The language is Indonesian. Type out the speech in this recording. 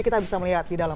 kita bisa melihat di dalam